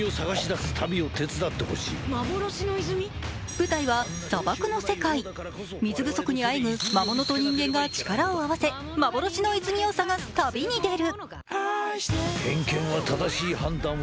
舞台は砂漠の世界、水不足にあえぐ魔物と人間が力を合わせ、幻の泉を探す旅に出る。